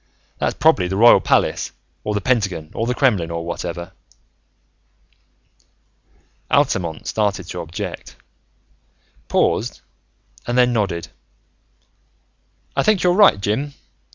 That's probably the Royal Palace, or the Pentagon, or the Kremlin, or whatever." Altamont started to object, paused, and then nodded. "I think you're right, Jim.